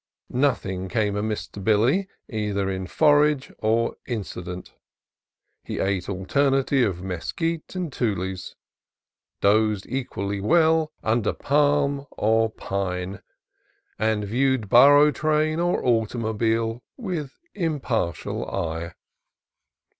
Nothing came amiss to Billy, either in forage or in cident. He ate alternately of mesquit and tules, dozed equally well under palm or pine, and viewed burro train or automobile with impartial eye.